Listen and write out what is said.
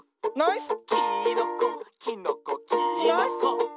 「きーのこきのこきーのこ」